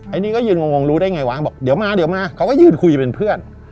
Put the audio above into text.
อันนี้ก็ยืนงงรู้ได้ไงว้างบอกเดี๋ยวมาเดี๋ยวมาเขาก็ยืนคุยเป็นเพื่อน